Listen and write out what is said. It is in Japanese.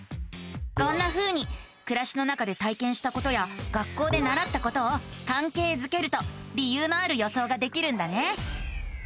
こんなふうにくらしの中で体験したことや学校でならったことをかんけいづけると理由のある予想ができるんだね。